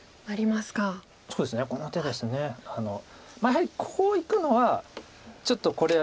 やはりこういくのはちょっとこれ。